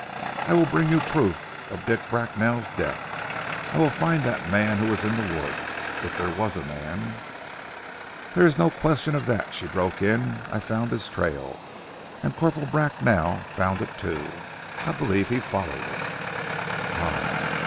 I will bring you proof of Dick Bracknell's death. I will find that man who was in the wood, if there was a man " "There is no question of that," she broke in. "I found his trail, and Corporal Bracknell found it too. I believe he followed it " "Ah!"